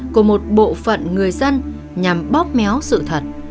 của một bộ phận người dân nhằm bóp méo sự thật